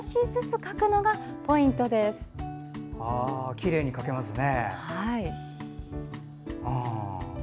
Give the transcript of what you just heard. きれいに描けますね。